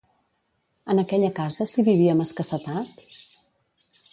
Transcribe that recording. En aquella casa s'hi vivia amb escassetat?